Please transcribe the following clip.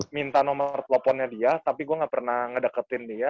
minta nomor teleponnya dia tapi gue gak pernah ngedeketin dia